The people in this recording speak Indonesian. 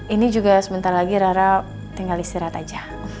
ini juga sebentar lagi rara tinggal istirahat aja